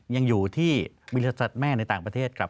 ยังอยู่ที่บริษัทแม่ในต่างประเทศครับ